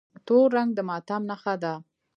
تور رنګ د ماتم نښه ده.